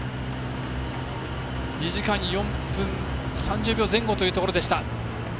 ２時間４分３０秒前後というところでした。